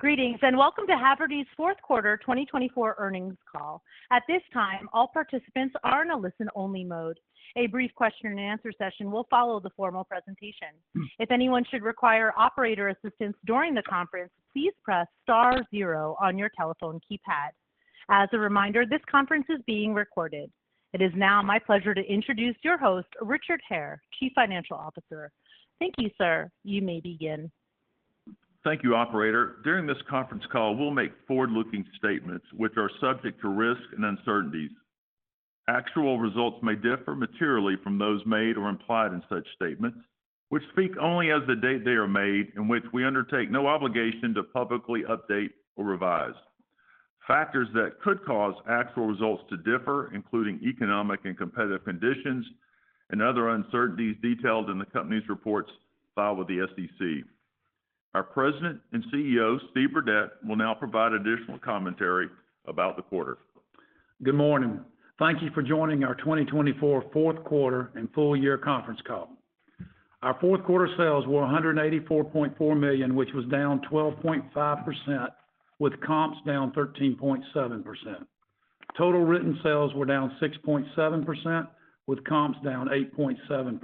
Greetings, and welcome to Havertys Fourth Quarter 2024 earnings call. At this time, all participants are in a listen-only mode. A brief question-and-answer session will follow the formal presentation. If anyone should require operator assistance during the conference, please press star zero on your telephone keypad. As a reminder, this conference is being recorded. It is now my pleasure to introduce your host, Richard Hare, Chief Financial Officer. Thank you, sir. You may begin. Thank you, Operator. During this conference call, we'll make forward-looking statements which are subject to risk and uncertainties. Actual results may differ materially from those made or implied in such statements, which speak only as of the date they are made, and we undertake no obligation to publicly update or revise. Factors that could cause actual results to differ, including economic and competitive conditions and other uncertainties detailed in the company's reports filed with the SEC. Our President and CEO, Steve Burdette, will now provide additional commentary about the quarter. Good morning. Thank you for joining our 2024 fourth quarter and full-year conference call. Our fourth quarter sales were $184.4 million, which was down 12.5%, with comps down 13.7%. Total written sales were down 6.7%, with comps down 8.7%.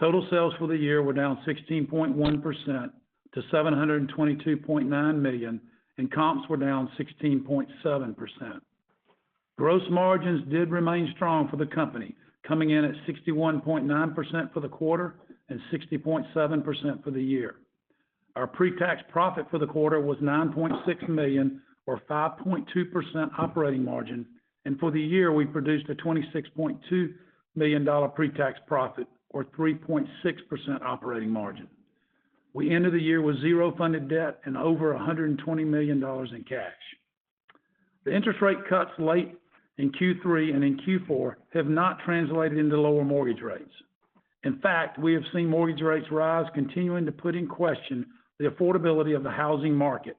Total sales for the year were down 16.1% to $722.9 million, and comps were down 16.7%. Gross margins did remain strong for the company, coming in at 61.9% for the quarter and 60.7% for the year. Our pre-tax profit for the quarter was $9.6 million, or 5.2% operating margin, and for the year, we produced a $26.2 million pre-tax profit, or 3.6% operating margin. We ended the year with zero funded debt and over $120 million in cash. The interest rate cuts late in Q3 and in Q4 have not translated into lower mortgage rates. In fact, we have seen mortgage rates rise, continuing to put in question the affordability of the housing market.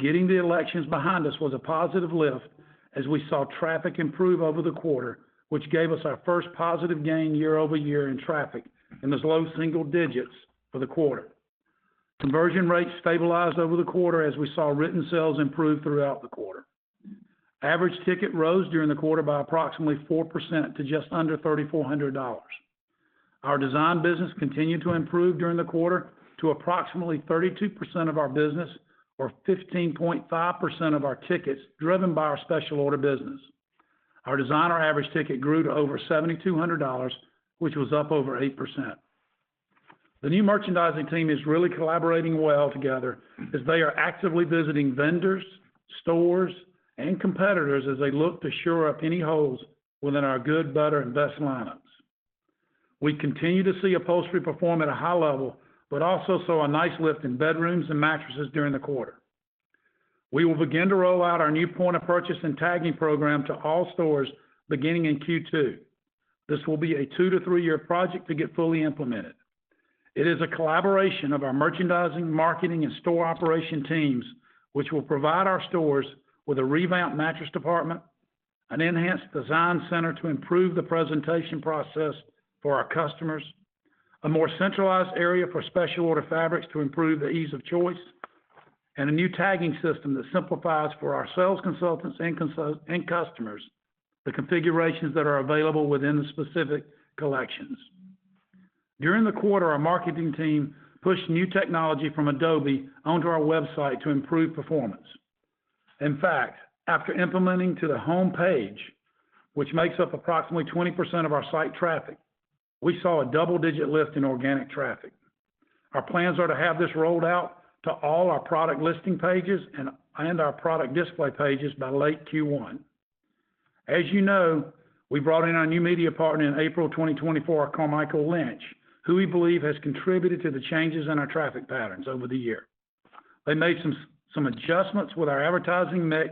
Getting the elections behind us was a positive lift as we saw traffic improve over the quarter, which gave us our first positive gain year over year in traffic in the low single digits for the quarter. Conversion rates stabilized over the quarter as we saw written sales improve throughout the quarter. Average ticket rose during the quarter by approximately 4% to just under $3,400. Our design business continued to improve during the quarter to approximately 32% of our business, or 15.5% of our tickets, driven by our special order business. Our designer average ticket grew to over $7,200, which was up over 8%. The new merchandising team is really collaborating well together as they are actively visiting vendors, stores, and competitors as they look to shore up any holes within our good, better, and best lineups. We continue to see upholstery perform at a high level, but also saw a nice lift in bedrooms and mattresses during the quarter. We will begin to roll out our new point of purchase and tagging program to all stores beginning in Q2. This will be a two-to-three-year project to get fully implemented. It is a collaboration of our merchandising, marketing, and store operation teams, which will provide our stores with a revamped mattress department, an enhanced design center to improve the presentation process for our customers, a more centralized area for special order fabrics to improve the ease of choice, and a new tagging system that simplifies for our sales consultants and customers the configurations that are available within the specific collections. During the quarter, our marketing team pushed new technology from Adobe onto our website to improve performance. In fact, after implementing to the home page, which makes up approximately 20% of our site traffic, we saw a double-digit lift in organic traffic. Our plans are to have this rolled out to all our product listing pages and our product display pages by late Q1. As you know, we brought in our new media partner in April 2024, Carmichael Lynch, who we believe has contributed to the changes in our traffic patterns over the year. They made some adjustments with our advertising mix,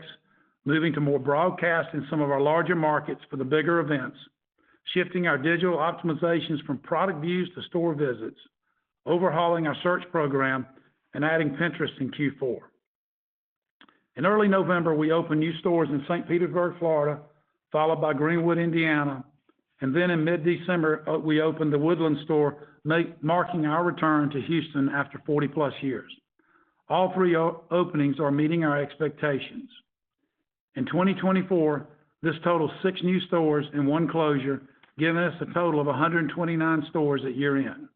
moving to more broadcast in some of our larger markets for the bigger events, shifting our digital optimizations from product views to store visits, overhauling our search program, and adding Pinterest in Q4. In early November, we opened new stores in St. Petersburg, Florida, followed by Greenwood, Indiana, and then in mid-December, we opened The Woodlands store, marking our return to Houston after 40+ years. All three openings are meeting our expectations. In 2024, this totals six new stores and one closure, giving us a total of 129 stores at year-end.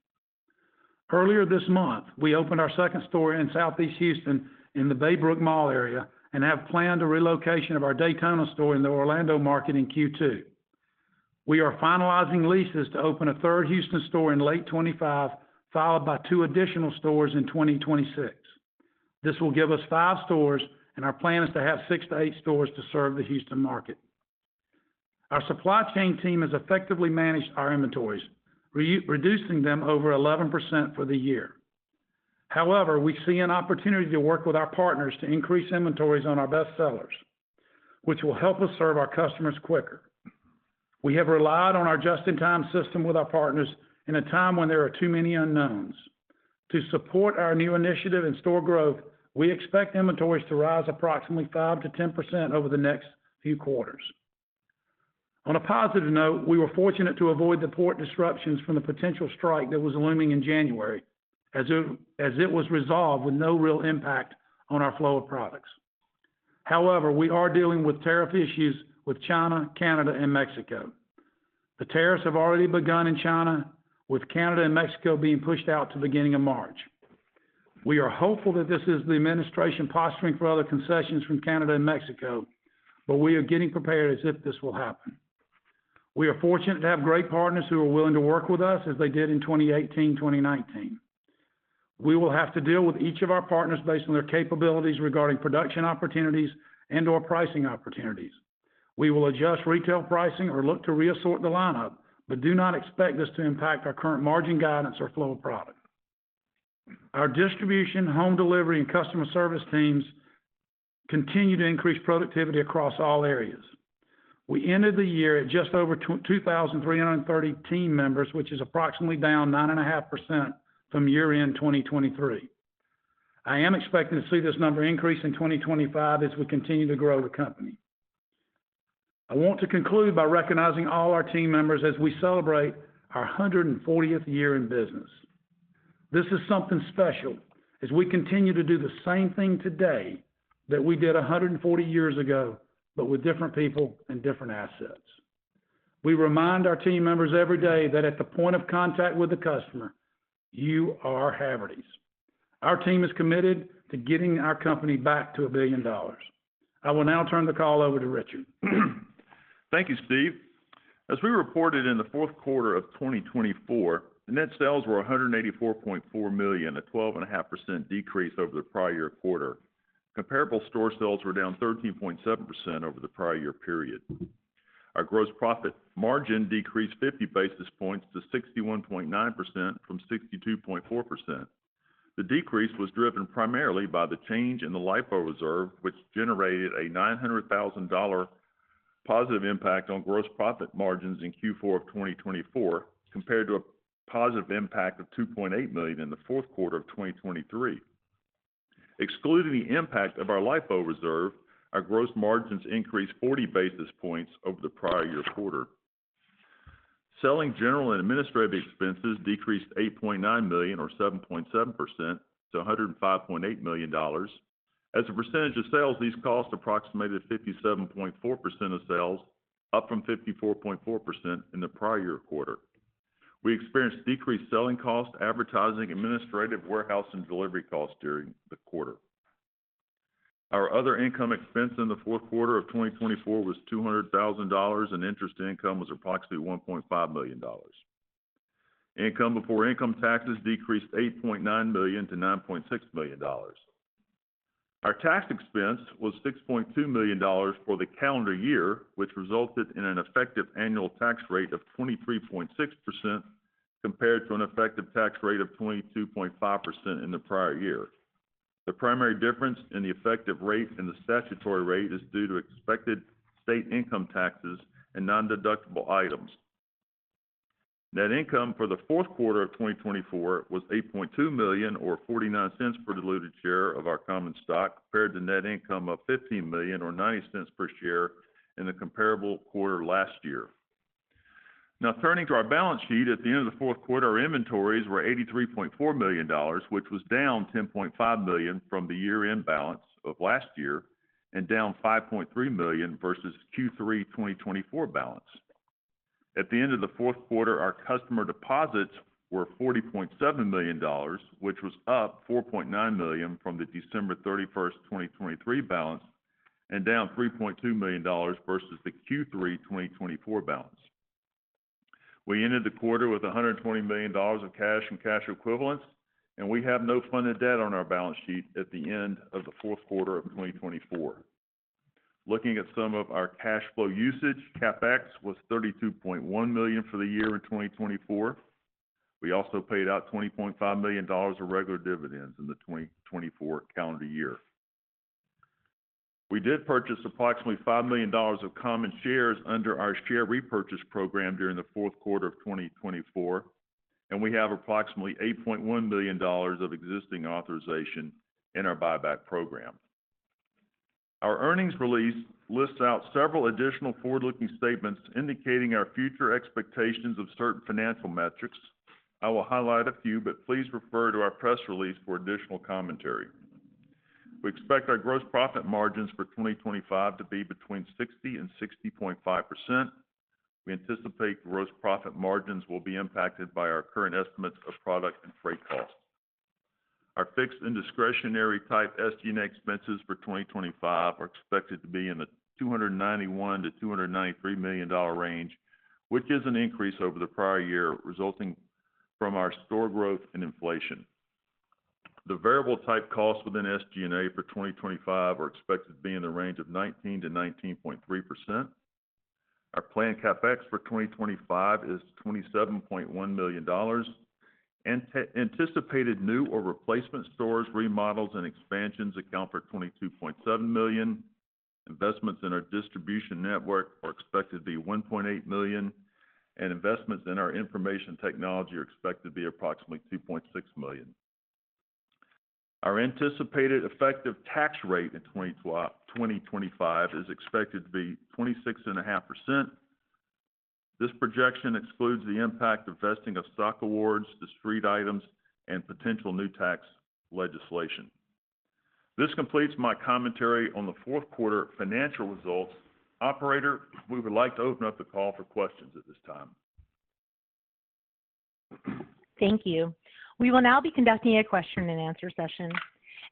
Earlier this month, we opened our second store in Southeast Houston in the Baybrook Mall area and have planned a relocation of our Daytona store in the Orlando market in Q2. We are finalizing leases to open a third Houston store in late 2025, followed by two additional stores in 2026. This will give us five stores, and our plan is to have six to eight stores to serve the Houston market. Our supply chain team has effectively managed our inventories, reducing them over 11% for the year. However, we see an opportunity to work with our partners to increase inventories on our best sellers, which will help us serve our customers quicker. We have relied on our just-in-time system with our partners in a time when there are too many unknowns. To support our new initiative and store growth, we expect inventories to rise approximately 5%-10% over the next few quarters. On a positive note, we were fortunate to avoid the port disruptions from the potential strike that was looming in January, as it was resolved with no real impact on our flow of products. However, we are dealing with tariff issues with China, Canada, and Mexico. The tariffs have already begun in China, with Canada and Mexico being pushed out to the beginning of March. We are hopeful that this is the administration posturing for other concessions from Canada and Mexico, but we are getting prepared as if this will happen. We are fortunate to have great partners who are willing to work with us, as they did in 2018, 2019. We will have to deal with each of our partners based on their capabilities regarding production opportunities and/or pricing opportunities. We will adjust retail pricing or look to reassort the lineup, but do not expect this to impact our current margin guidance or flow of product. Our distribution, home delivery, and customer service teams continue to increase productivity across all areas. We ended the year at just over 2,330 team members, which is approximately down 9.5% from year-end 2023. I am expecting to see this number increase in 2025 as we continue to grow the company. I want to conclude by recognizing all our team members as we celebrate our 140th year in business. This is something special as we continue to do the same thing today that we did 140 years ago, but with different people and different assets. We remind our team members every day that at the point of contact with the customer, you are Havertys. Our team is committed to getting our company back to a billion dollars. I will now turn the call over to Richard. Thank you, Steve. As we reported in the fourth quarter of 2024, net sales were $184.4 million, a 12.5% decrease over the prior year quarter. Comparable store sales were down 13.7% over the prior year period. Our gross profit margin decreased 50 basis points to 61.9% from 62.4%. The decrease was driven primarily by the change in the LIFO reserve, which generated a $900,000 positive impact on gross profit margins in Q4 of 2024, compared to a positive impact of $2.8 million in the fourth quarter of 2023. Excluding the impact of our LIFO reserve, our gross margins increased 40 basis points over the prior year quarter. Selling, general, and administrative expenses decreased $8.9 million, or 7.7%, to $105.8 million. As a percentage of sales, these costs approximated 57.4% of sales, up from 54.4% in the prior year quarter. We experienced decreased selling costs, advertising, administrative, warehouse, and delivery costs during the quarter. Our other income expense in the fourth quarter of 2024 was $200,000, and interest income was approximately $1.5 million. Income before income taxes decreased $8.9 million-$9.6 million. Our tax expense was $6.2 million for the calendar year, which resulted in an effective annual tax rate of 23.6% compared to an effective tax rate of 22.5% in the prior year. The primary difference in the effective rate and the statutory rate is due to expected state income taxes and non-deductible items. Net income for the fourth quarter of 2024 was $8.2 million, or $0.49 per diluted share of our common stock, compared to net income of $15 million, or $0.90 per share in the comparable quarter last year. Now, turning to our balance sheet, at the end of the fourth quarter, our inventories were $83.4 million, which was down $10.5 million from the year-end balance of last year and down $5.3 million versus Q3 2024 balance. At the end of the fourth quarter, our customer deposits were $40.7 million, which was up $4.9 million from the December 31st, 2023 balance, and down $3.2 million versus the Q3 2024 balance. We ended the quarter with $120 million of cash and cash equivalents, and we have no funded debt on our balance sheet at the end of the fourth quarter of 2024. Looking at some of our cash flow usage, CapEx was $32.1 million for the year in 2024. We also paid out $20.5 million of regular dividends in the 2024 calendar year. We did purchase approximately $5 million of common shares under our share repurchase program during the fourth quarter of 2024, and we have approximately $8.1 million of existing authorization in our buyback program. Our earnings release lists out several additional forward-looking statements indicating our future expectations of certain financial metrics. I will highlight a few, but please refer to our press release for additional commentary. We expect our gross profit margins for 2025 to be between 60% and 60.5%. We anticipate gross profit margins will be impacted by our current estimates of product and freight costs. Our fixed and discretionary-type SG&A expenses for 2025 are expected to be in the $291-$293 million range, which is an increase over the prior year, resulting from our store growth and inflation. The variable-type costs within SG&A for 2025 are expected to be in the range of 19%-19.3%. Our planned CapEx for 2025 is $27.1 million. Anticipated new or replacement stores, remodels, and expansions account for $22.7 million. Investments in our distribution network are expected to be $1.8 million, and investments in our information technology are expected to be approximately $2.6 million. Our anticipated effective tax rate in 2025 is expected to be 26.5%. This projection excludes the impact of vesting of stock awards, discrete items, and potential new tax legislation. This completes my commentary on the fourth quarter financial results. Operator, we would like to open up the call for questions at this time. Thank you. We will now be conducting a question-and-answer session.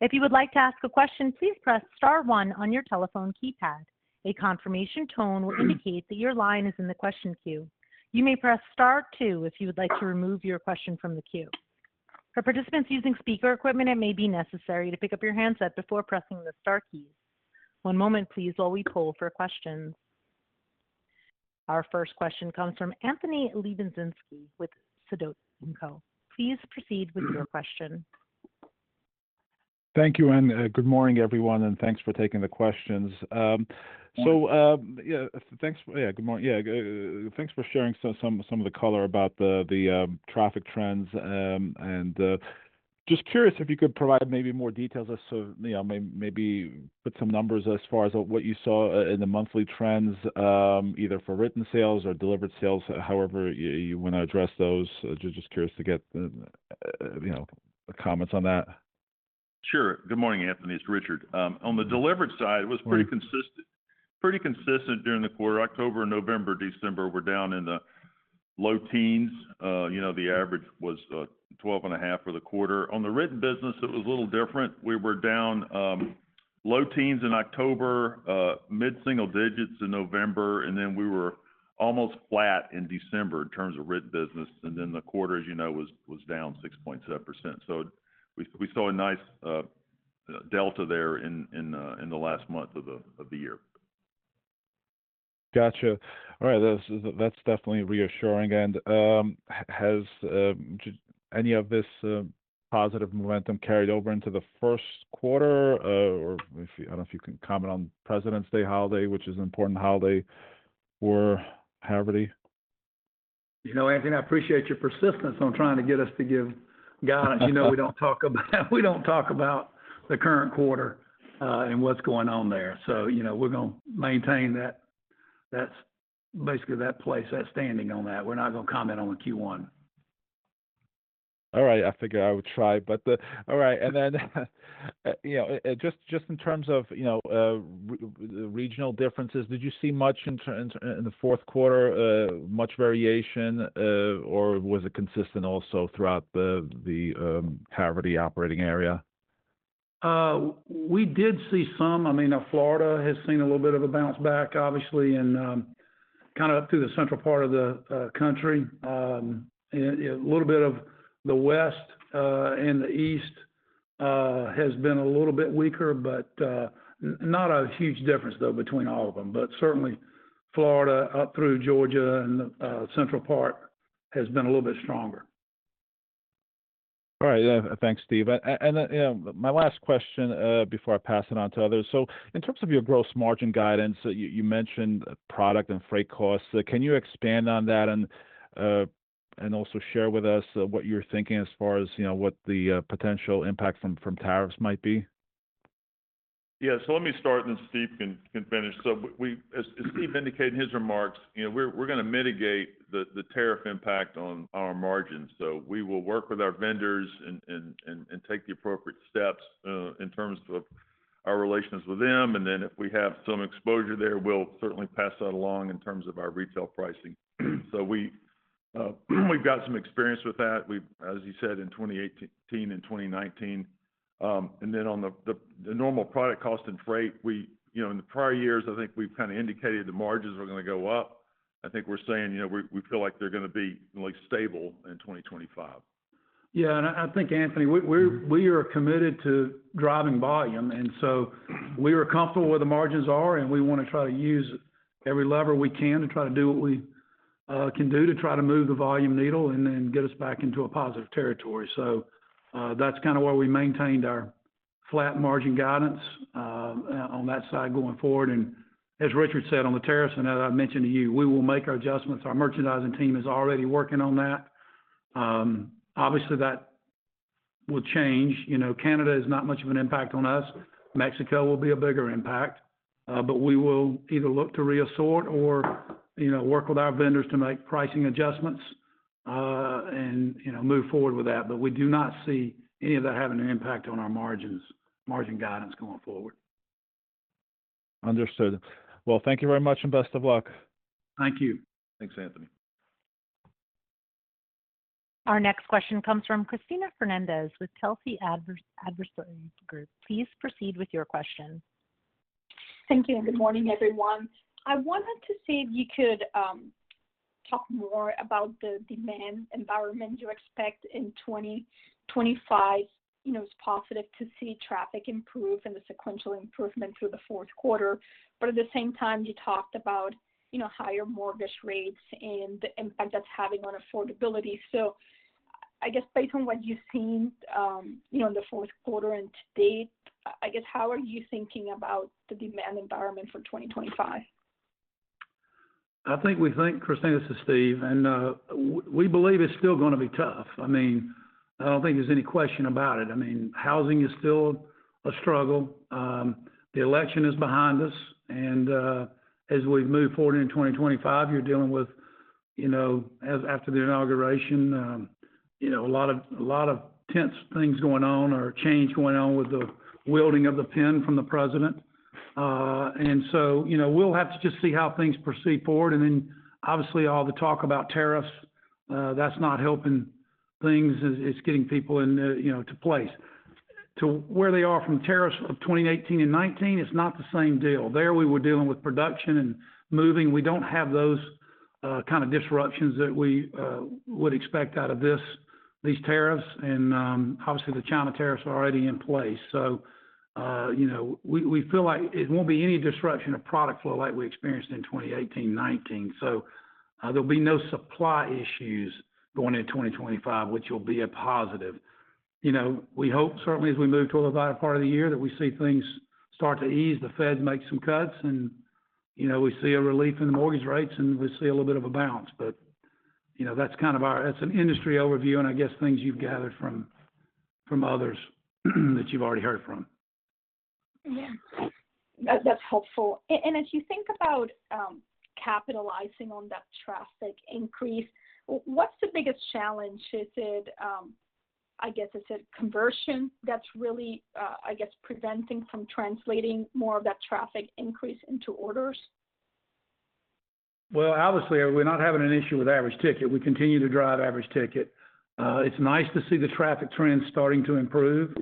If you would like to ask a question, please press Star 1 on your telephone keypad. A confirmation tone will indicate that your line is in the question queue. You may press Star 2 if you would like to remove your question from the queue. For participants using speaker equipment, it may be necessary to pick up your handset before pressing the Star keys. One moment, please, while we poll for questions. Our first question comes from Anthony Lebiedzinski with Sidoti & Company. Please proceed with your question. Thank you, and good morning, everyone, and thanks for taking the questions. So, thanks for, yeah, good morning. Yeah, thanks for sharing some of the color about the traffic trends. And just curious if you could provide maybe more details as to, you know, maybe put some numbers as far as what you saw in the monthly trends, either for written sales or delivered sales, however you want to address those. Just curious to get comments on that. Sure. Good morning, Anthony. It's Richard. On the delivered side, it was pretty consistent during the quarter. October and November, December, we're down in the low teens. You know, the average was 12.5% for the quarter. On the written business, it was a little different. We were down low teens in October, mid-single digits in November, and then we were almost flat in December in terms of written business. And then the quarter, as you know, was down 6.7%. So we saw a nice delta there in the last month of the year. Gotcha. All right. That's definitely reassuring. And has any of this positive momentum carried over into the first quarter? Or I don't know if you can comment on Presidents' Day holiday, which is an important holiday for Haverty. You know, Anthony, I appreciate your persistence on trying to get us to give guidance. You know, we don't talk about, we don't talk about the current quarter and what's going on there. So, you know, we're going to maintain that, that's basically our policy, our stance on that. We're not going to comment on Q1. And then, you know, just in terms of, you know, regional differences, did you see much variation in the fourth quarter, or was it consistent also throughout the Havertys operating area? We did see some. I mean, Florida has seen a little bit of a bounce back, obviously, and kind of up through the central part of the country. A little bit of the west and the east has been a little bit weaker, but not a huge difference, though, between all of them, but certainly, Florida up through Georgia and the central part has been a little bit stronger. All right. Thanks, Steve. And my last question before I pass it on to others. So in terms of your gross margin guidance, you mentioned product and freight costs. Can you expand on that and also share with us what you're thinking as far as, you know, what the potential impact from tariffs might be? Yeah. So let me start, and then Steve can finish. So we, as Steve indicated in his remarks, you know, we're going to mitigate the tariff impact on our margins. So we will work with our vendors and take the appropriate steps in terms of our relations with them. And then if we have some exposure there, we'll certainly pass that along in terms of our retail pricing. So we've got some experience with that, as you said, in 2018 and 2019. And then on the normal product cost and freight, we, you know, in the prior years, I think we've kind of indicated the margins are going to go up. I think we're saying, you know, we feel like they're going to be stable in 2025. Yeah. And I think, Anthony, we are committed to driving volume. And so we are comfortable where the margins are, and we want to try to use every lever we can to try to do what we can do to try to move the volume needle and then get us back into a positive territory. So that's kind of where we maintained our flat margin guidance on that side going forward. And as Richard said on the tariffs, and as I mentioned to you, we will make our adjustments. Our merchandising team is already working on that. Obviously, that will change. You know, Canada is not much of an impact on us. Mexico will be a bigger impact, but we will either look to reassort or, you know, work with our vendors to make pricing adjustments and, you know, move forward with that. But we do not see any of that having an impact on our margins, margin guidance going forward. Understood. Well, thank you very much and best of luck. Thank you. Thanks, Anthony. Our next question comes from Cristina Fernandez with Telsey Advisory Group. Please proceed with your question. Thank you. Good morning, everyone. I wanted to see if you could talk more about the demand environment you expect in 2025. You know, it's positive to see traffic improve and the sequential improvement through the fourth quarter. But at the same time, you talked about, you know, higher mortgage rates and the impact that's having on affordability. So I guess based on what you've seen, you know, in the fourth quarter and to date, I guess, how are you thinking about the demand environment for 2025? I think we think, Cristina, this is Steve, and we believe it's still going to be tough. I mean, I don't think there's any question about it. I mean, housing is still a struggle. The election is behind us. And as we move forward into 2025, you're dealing with, you know, after the inauguration, you know, a lot of tense things going on or change going on with the wielding of the pen from the president. And so, you know, we'll have to just see how things proceed forward. And then, obviously, all the talk about tariffs, that's not helping things. It's getting people in, you know, to place. To where they are from tariffs of 2018 and 2019, it's not the same deal. There, we were dealing with production and moving. We don't have those kind of disruptions that we would expect out of these tariffs. Obviously, the China tariffs are already in place. So, you know, we feel like it won't be any disruption of product flow like we experienced in 2018, 2019. So there'll be no supply issues going into 2025, which will be a positive. You know, we hope certainly as we move toward the latter part of the year that we see things start to ease, the Fed makes some cuts, and, you know, we see a relief in the mortgage rates, and we see a little bit of a bounce. But, you know, that's an industry overview, and I guess things you've gathered from others that you've already heard from. Yeah. That's helpful, and as you think about capitalizing on that traffic increase, what's the biggest challenge? Is it, I guess, is it conversion that's really, I guess, preventing from translating more of that traffic increase into orders? Obviously, we're not having an issue with average ticket. We continue to drive average ticket. It's nice to see the traffic trends starting to improve.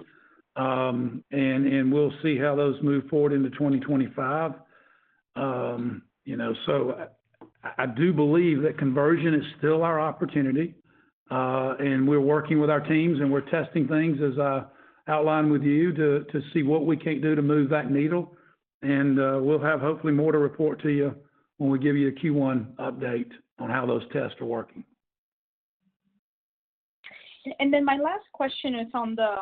And we'll see how those move forward into 2025. You know, so I do believe that conversion is still our opportunity. And we're working with our teams, and we're testing things, as I outlined with you, to see what we can't do to move that needle. And we'll have hopefully more to report to you when we give you a Q1 update on how those tests are working. And then my last question is on the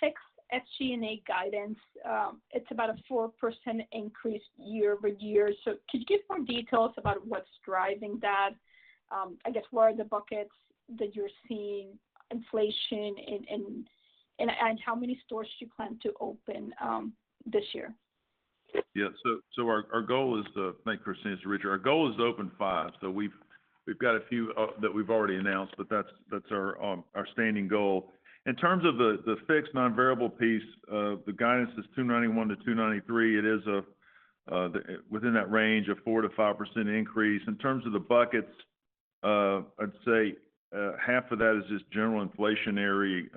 fixed SG&A guidance. It's about a 4% increase year over year. So could you give more details about what's driving that? I guess, what are the buckets that you're seeing inflation in, and how many stores do you plan to open this year? Yeah. So our goal is, thank you, Cristina, it's Richard. Our goal is to open five. So we've got a few that we've already announced, but that's our standing goal. In terms of the fixed non-variable piece, the guidance is 291-293. It is within that range of 4%-5% increase. In terms of the buckets, I'd say half of that is just general inflationary.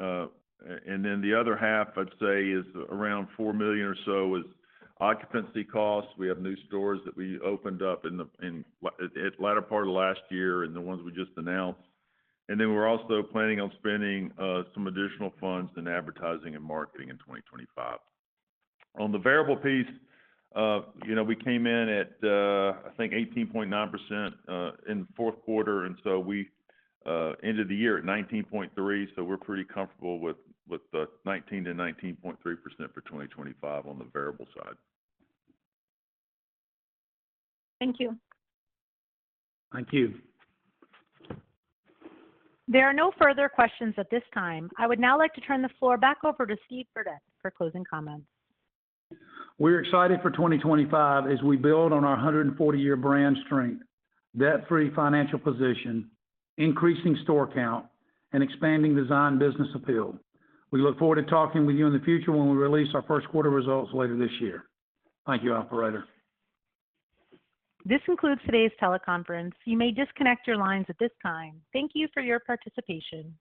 And then the other half, I'd say, is around $4 million or so is occupancy costs. We have new stores that we opened up in the latter part of last year and the ones we just announced. And then we're also planning on spending some additional funds in advertising and marketing in 2025. On the variable piece, you know, we came in at, I think, 18.9% in the fourth quarter. And so we ended the year at 19.3%. So we're pretty comfortable with the 19%-19.3% for 2025 on the variable side. Thank you. Thank you. There are no further questions at this time. I would now like to turn the floor back over to Steve Burdette for closing comments. We're excited for 2025 as we build on our 140-year brand strength, debt-free financial position, increasing store count, and expanding design business appeal. We look forward to talking with you in the future when we release our first quarter results later this year. Thank you, Operator. This concludes today's teleconference. You may disconnect your lines at this time. Thank you for your participation.